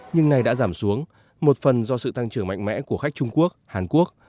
nhưng này đã giảm xuống một phần do sự tăng trưởng mạnh mẽ của khách trung quốc hàn quốc